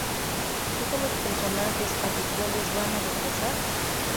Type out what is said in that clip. Todos los personajes habituales van a regresar.